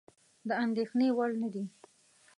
د اندېښنې وړ نه دي.